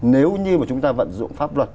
nếu như mà chúng ta vận dụng pháp luật